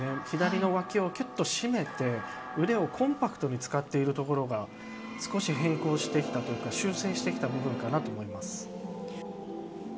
左の脇を締めて腕をコンパクトに使っているところが少し変更してきたというか修正してきた部分かと思います。